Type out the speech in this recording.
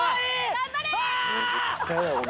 頑張れ！